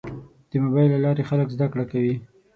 د موبایل له لارې خلک زده کړه کوي.